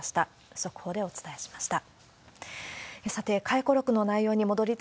速報でお伝えしました。